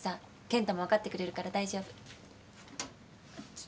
健太も分かってくれるから大丈夫。